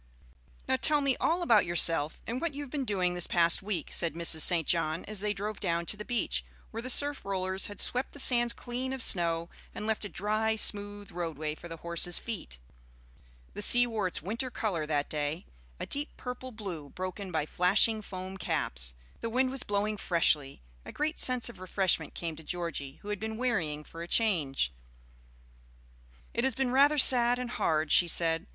"Now tell me all about yourself, and what you have been doing this past week," said Mrs. St. John, as they drove down to the beach, where the surf rollers had swept the sands clean of snow and left a dry, smooth roadway for the horses' feet. The sea wore its winter color that day, a deep purple blue, broken by flashing foam caps; the wind was blowing freshly; a great sense of refreshment came to Georgie, who had been wearying for a change. "It has been rather sad and hard," she said.